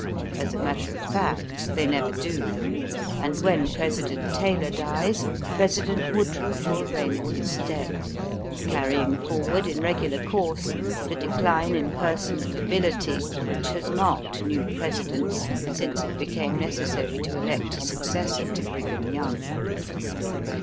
As a matter of fact they never do, and when President Taylor dies President Woodruff will reign in his stead, carrying forward in regular course the decline in personal ability which has marked new Presidents, since it became necessary to elect a successor to Brigham Young.